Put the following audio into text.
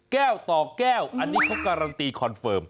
แก้วต่อแก้วอันนี้เขาการันตีคอนเฟิร์ม